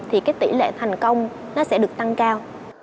thì tỷ lệ thành công sẽ được tăng cao